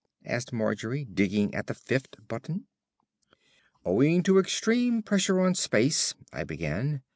asked Margery, digging at the fifth button. "Owing to extreme pressure on space," I began....